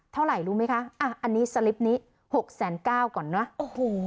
เท่าไหร่รู้ไหมคะอ่ะอันนี้สลิปนี้หกแสนเก้าก่อนเนอะโอ้โห